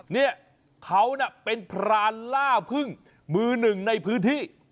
เนี่ยเขาน่ะเป็นพรานล่าพึ่งมือหนึ่งในพื้นที่